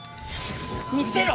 見せろ！